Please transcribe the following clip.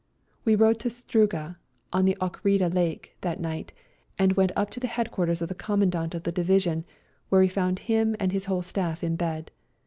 We rode to Struga, on the Ockrida Lake, that night, and went up to the headquarters of the Commandant of the division, where we found him and his whole staff in bed.